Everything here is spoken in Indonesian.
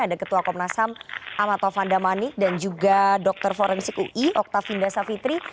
ada ketua komnas ham amatovanda manik dan juga dr forensik ui dr finda savitri